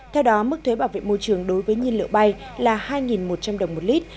theo đó mức thuế bảo vệ môi trường đối với nhiên liệu bay là hai một trăm linh đồng một lít